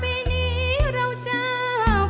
เพลงที่สองเพลงมาครับ